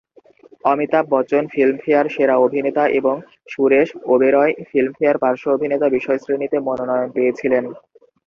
Amitabh Bachchan Filmfare সেরা অভিনেতা এবং সুরেশ ওবেরয় ফিল্মফেয়ার পার্শ্ব-অভিনেতা বিষয়শ্রেণীতে মনোনয়ন পেয়েছিলেন।